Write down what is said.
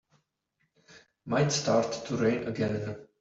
Might start to rain again.